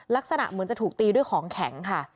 ลักษณะเหมือนจะถูกตีด้วยของแข็งค่ะ